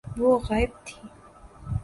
وہ غائب تھی۔